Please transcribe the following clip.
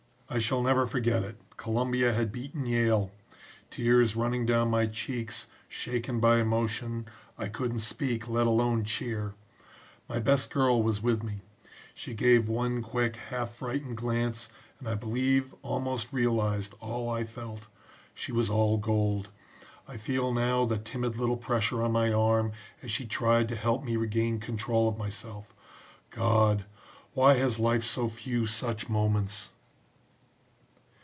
"I shall never forget it Columbia had beaten Yale! Tears running down my cheeks, shaken by emotion, I couldn't speak, let alone cheer. My best girl was with me. She gave one quick half frightened glance and I believe almost realized all I felt. She was all gold. I feel now the timid little pressure on my arm as she tried to help me regain control of myself. God! why has life so few such moments!"